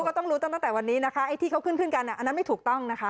ก็ต้องรู้ตั้งแต่วันนี้นะคะไอ้ที่เขาขึ้นขึ้นกันอันนั้นไม่ถูกต้องนะคะ